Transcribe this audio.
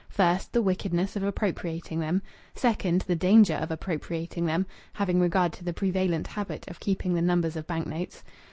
First, the wickedness of appropriating them. Second, the danger of appropriating them having regard to the prevalent habit of keeping the numbers of bank notes.